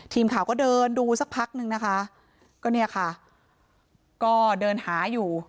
ทีมข่าวก็เดินดูสักพักนึงนะคะก็เนี่ยค่ะก็เดินหาอยู่